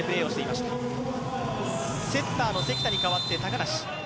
セッターの関田にかわって高梨。